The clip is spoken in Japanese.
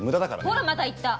ほらまた言った。